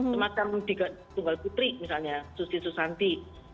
semacam tunggal putri misalnya susi susanti